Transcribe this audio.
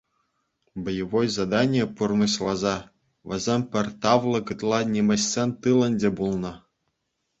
Боевой задание пурнӑҫласа, вӗсем пӗр тавлӑк ытла нимӗҫсен тылӗнче пулнӑ.